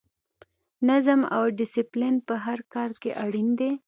نظم او ډسپلین په هر کار کې اړین دی.